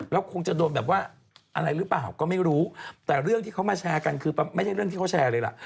แล้วคงจะโดนแบบว่าอะไรหรือเปล่าก็ไม่รู้แต่เรื่องที่เขามาแชร์กันคือไม่ใช่เรื่องที่เขาแชร์เลยล่ะ